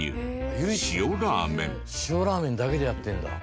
塩ラーメンだけでやってるんだ。